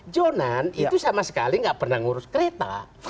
jonan itu sama sekali nggak pernah ngurus kereta